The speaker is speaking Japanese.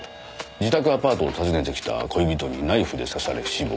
自宅アパートを訪ねてきた恋人にナイフで刺され死亡。